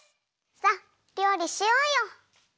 さっりょうりしようよ！